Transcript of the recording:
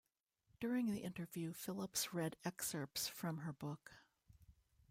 During the interview, Phillips read excerpts from her book.